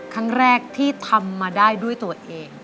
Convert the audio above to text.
ครั้งแรกที่ทำมาได้ด้วยตัวเอง